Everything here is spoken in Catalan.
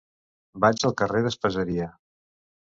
Vaig al carrer d'Espaseria.